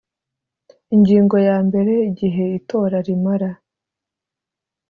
ingingo ya mbere igihe itora rimara